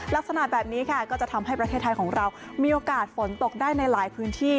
ลักษณะแบบนี้ค่ะก็จะทำให้ประเทศไทยของเรามีโอกาสฝนตกได้ในหลายพื้นที่